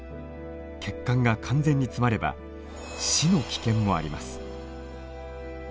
血管が完全に詰まれば死の危険もあります。